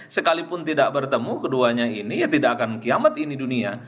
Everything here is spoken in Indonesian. sekalipun tidak bertemu keduanya ini ya tidak akan kiamat ini dunia